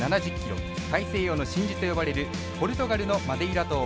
大西洋の真珠と呼ばれるポルトガルのマデイラ島。